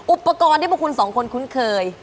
อุปกรณ์ที่พวกคุณสองคนคุ้นเคย